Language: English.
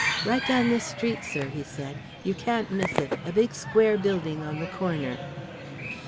"Right down this street, sir," he said. "You can't miss it a big square building on the corner."